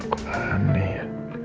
kok aneh ya